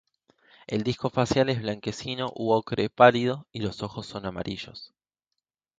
El disco facial es blanquecino u ocre pálido y los ojos son amarillos.